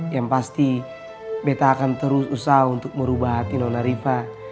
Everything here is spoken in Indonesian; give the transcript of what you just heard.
yang pasti beta akan terus usaha untuk merubah hati nonariva